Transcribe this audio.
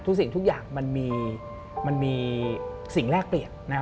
สิ่งทุกอย่างมันมีสิ่งแลกเปลี่ยนนะครับ